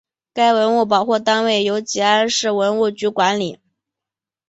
该文物保护单位由集安市文物局管理。